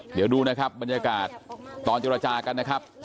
เดี๋ยวดูนะครับบรรยากาศตอนเจรจากันนะครับ